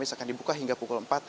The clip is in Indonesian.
akan dibuka hingga pukul empat